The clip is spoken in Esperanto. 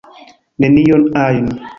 "Nenion ajn."